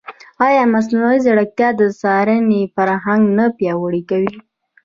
ایا مصنوعي ځیرکتیا د څارنې فرهنګ نه پیاوړی کوي؟